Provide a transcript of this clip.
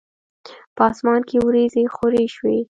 په اسمان کې وریځي خوری شوی